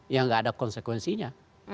ya nggak ada konsekuensinya